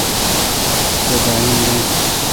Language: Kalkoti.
سو داین دین۔